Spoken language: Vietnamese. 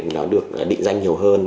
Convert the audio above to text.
nó được định danh nhiều hơn